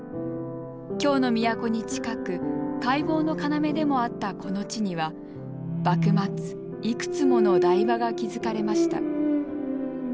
京の都に近く海防の要でもあったこの地には幕末いくつもの台場が築かれました。